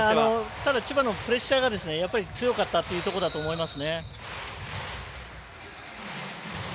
ただ千葉のプレッシャーが強かったところだと思います。